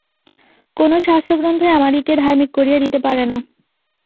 কোন শাস্ত্রগ্রন্থই আমাদিগকে ধার্মিক করিয়া দিতে পারে না।